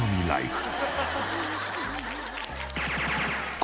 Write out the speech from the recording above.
はい。